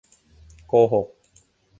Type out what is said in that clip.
โกหก